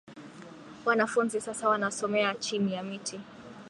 Wanafunzi sasa wanasomea chini ya miti